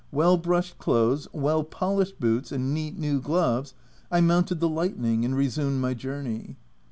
well brushed clothes, well polished boots, and neat new gloves, — I mounted " the Lightning," and resumed my journey.